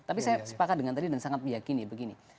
tapi saya sepakat dengan tadi dan sangat meyakini begini